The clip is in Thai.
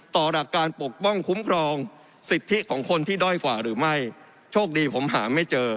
ต่อหลักการปกป้องคุ้มครองสิทธิของคนที่ด้อยกว่าหรือไม่โชคดีผมหาไม่เจอ